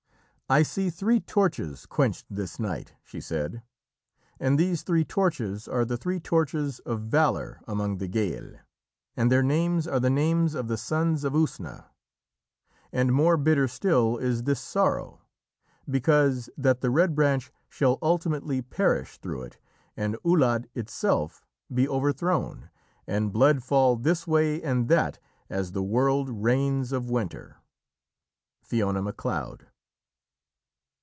"I see three torches quenched this night," she said. "And these three torches are the Three Torches of Valour among the Gael, and their names are the names of the Sons of Usna. And more bitter still is this sorrow, because that the Red Branch shall ultimately perish through it, and Uladh itself be overthrown, and blood fall this way and that as the whirled rains of winter." Fiona Macleod.